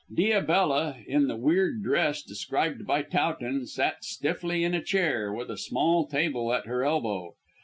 Diabella, in the weird dress described by Towton, sat stiffly in a chair, with a small table at her elbow.